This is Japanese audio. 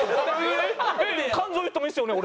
感情言うてもいいですよね？